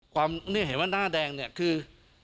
ความเห็นว่าหน้าแดงคือ